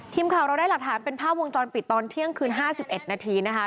ทีมข่าวเราได้หลักฐานเป็นภาพวงจรปิดตอนเที่ยงคืน๕๑นาทีนะคะ